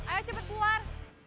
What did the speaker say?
ayo cepet keluar